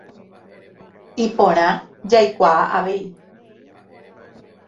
Iporã jaikuaa avei.